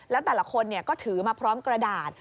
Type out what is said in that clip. แล้วแต่ละคนก็ถือมาพร้อมกระดาษ